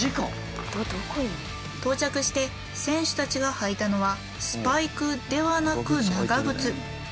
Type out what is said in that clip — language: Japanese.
到着して選手たちが履いたのはスパイクではなく長ぐつ。